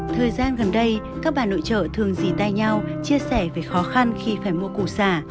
thời gian gần đây các bà nội trợ thường dì tay nhau chia sẻ về khó khăn khi phải mua củ xả